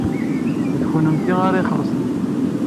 D kennemti ara ixellṣen?